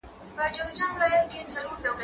زه به سبا اوبه پاکوم؟